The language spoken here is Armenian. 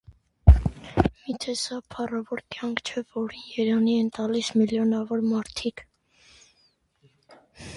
Մի՞թե սա փառավոր կյանք չէ, որին երանի են տալիս միլիոնավոր մարդիկ: